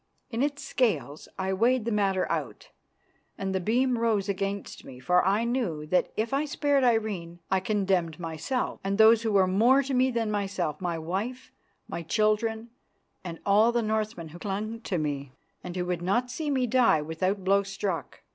In its scales I weighed the matter out, and the beam rose against me, for I knew well that if I spared Irene I condemned myself and those who were more to me than myself, my wife, my children, and all the Northmen who clung to me, and who would not see me die without blow struck.